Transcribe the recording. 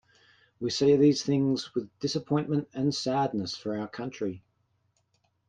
We say these things with disappointment and sadness for our country.